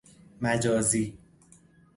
مجازی